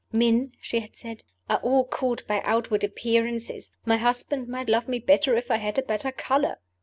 "Men" (she had said) "are all caught by outward appearances: my husband might love me better if I had a better color."